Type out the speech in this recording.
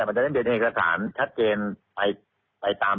เพราะว่าตอนแรกมีการพูดถึงนิติกรคือฝ่ายกฎหมาย